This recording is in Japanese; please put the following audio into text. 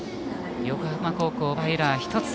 横浜高校はエラー１つ。